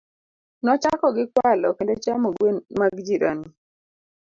Nochako gi kwalo kendo chamo gwen mag jirani.